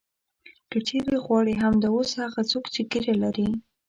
که چېرې غواړې همدا اوس هغه څوک چې ږیره لري.